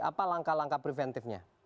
apa langkah langkah preventifnya